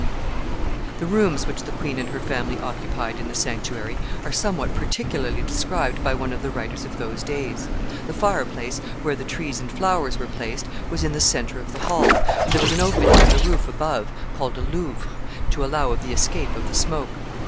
[Illustration: ANCIENT VIEW OF WESTMINSTER.] The rooms which the queen and her family occupied in the sanctuary are somewhat particularly described by one of the writers of those days. The fire place, where the trees and flowers were placed, was in the centre of the hall, and there was an opening in the roof above, called a louvre, to allow of the escape of the smoke.